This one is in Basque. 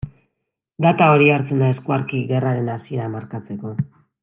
Data hori hartzen da eskuarki gerraren hasiera markatzeko.